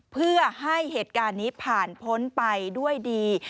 เพื่อให้เหตุการณ์นี้ผ่านพ้นไปด้วยดี